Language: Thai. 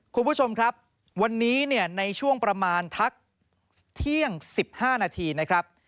คุณผู้ชมครับวันนี้ในช่วงประมาณทักเที่ยง๑๕นาที